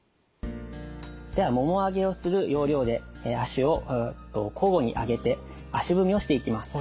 ではもも上げをする要領で足を交互に上げて足踏みをしていきます。